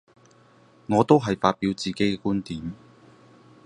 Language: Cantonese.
我都係發表自己嘅觀點